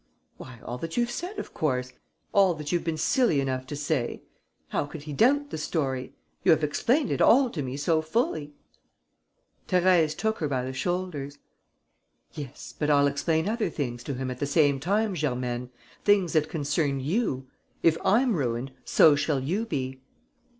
"Why, all that you've said, of course, all that you've been silly enough to say. How could he doubt the story? You have explained it all to me so fully." Thérèse took her by the shoulders: "Yes, but I'll explain other things to him at the same time, Germaine, things that concern you. If I'm ruined, so shall you be."